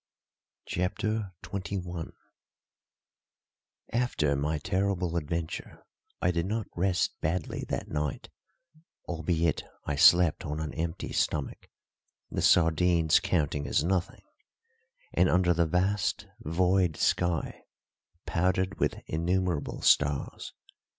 CHAPTER XXI After my terrible adventure I did not rest badly that night, albeit I slept on an empty stomach (the sardines counting as nothing), and under the vast, void sky, powdered with innumerable stars.